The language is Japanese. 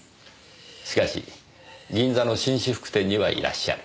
しかし銀座の紳士服店にはいらっしゃる。